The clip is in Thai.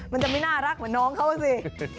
มันจะไม่น่ารักเหมือนน้องเขาสิ